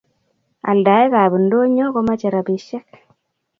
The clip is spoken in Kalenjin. Aidaika ab ndonyo komache rapishek